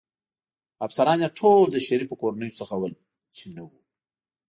افسران يې ټول له شریفو کورنیو څخه ول، چې نه و.